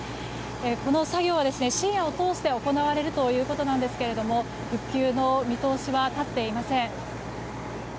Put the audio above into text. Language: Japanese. この作業は深夜を通して行われるということですが復旧の見通しは立っていません。